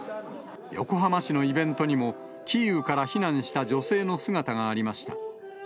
横浜市のイベントにも、キーウから避難した女性の姿がありました。